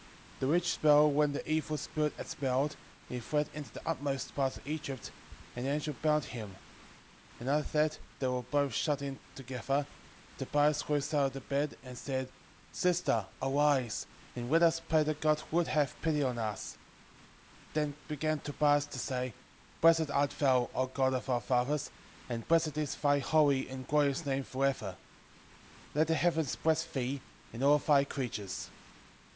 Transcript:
8:3 The which smell when the evil spirit had smelled, he fled into the utmost parts of Egypt, and the angel bound him. 8:4 And after that they were both shut in together, Tobias rose out of the bed, and said, Sister, arise, and let us pray that God would have pity on us. 8:5 Then began Tobias to say, Blessed art thou, O God of our fathers, and blessed is thy holy and glorious name for ever; let the heavens bless thee, and all thy creatures.